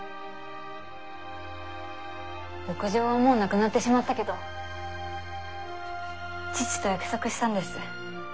牧場はもうなくなってしまったけど父と約束したんです。